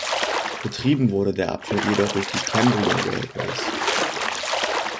Betrieben wurde der Abschnitt jedoch durch die Cambrian Railways.